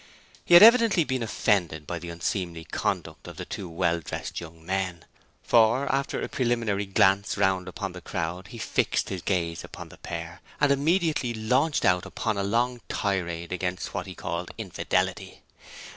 He had evidently been offended by the unseemly conduct of the two well dressed young men, for after a preliminary glance round upon the crowd, he fixed his gaze upon the pair, and immediately launched out upon a long tirade against what he called 'Infidelity'.